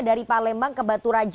dari palembang ke baturaja